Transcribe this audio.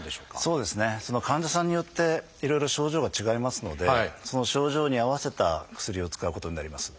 そうですねその患者さんによっていろいろ症状が違いますのでその症状に合わせた薬を使うことになります。